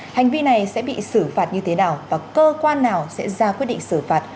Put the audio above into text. hành vi này sẽ bị xử phạt như thế nào và cơ quan nào sẽ ra quyết định xử phạt